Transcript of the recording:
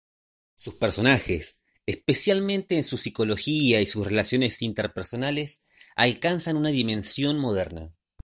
Sus personajes, especialmente en su psicología y sus relaciones interpersonales, alcanzan una dimensión moderna.